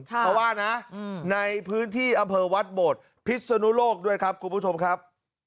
เพราะว่านะในพื้นที่อำเภอวัดโบดพิศนุโลกด้วยครับคุณผู้ชมครับ